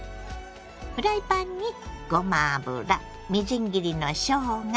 フライパンにごま油みじん切りのしょうが